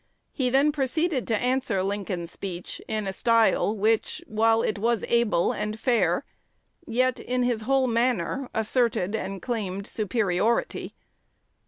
He then proceeded to answer Lincoln's speech in a style, which, while it was able and fair, yet, in his whole manner, asserted and claimed superiority.